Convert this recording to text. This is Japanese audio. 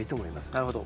なるほど。